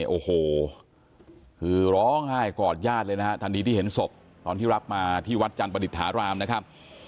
โอ้โหคือร้องไห้กอดญาติเลยนะฮะทันทีที่เห็นศพตอนที่รับมาที่วัดจันทร์ประดิษฐารามนะครับ